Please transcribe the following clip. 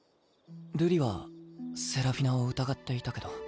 瑠璃はセラフィナを疑っていたけど。